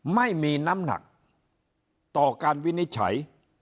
ไม่มีน้ำหนักต่อการวินิจฉัย